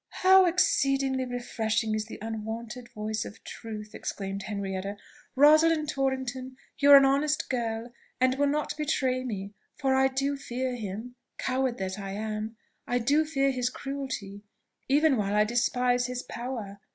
"How exceedingly refreshing is the unwonted voice of truth!" exclaimed Henrietta. "Rosalind Torrington, you are an honest girl, and will not betray me; for I do fear him coward that I am I do fear his cruelty, even while I despise his power.